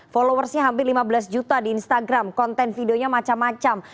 followersnya hampir lima belas juta di instagram konten videonya macam macam